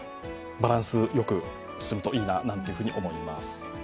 バランスよく進むといいななんて思います。